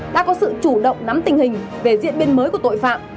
đã có sự chủ động nắm tình hình về diễn biến mới của tội phạm